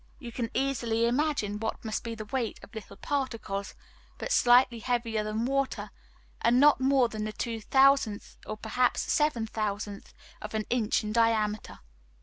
You can easily imagine what must be the weight of little particles, but slightly heavier than water, and not more than the two thousandth or perhaps seven thousandth of an inch in diameter.